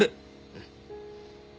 うん。